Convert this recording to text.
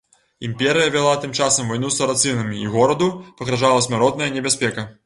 Імперыя вяла тым часам вайну з сарацынамі, і гораду пагражала смяротная небяспека.